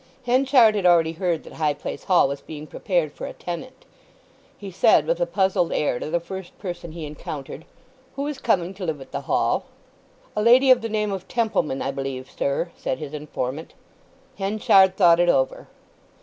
Henchard had already heard that High Place Hall was being prepared for a tenant. He said with a puzzled air to the first person he encountered, "Who is coming to live at the Hall?" "A lady of the name of Templeman, I believe, sir," said his informant. Henchard thought it over.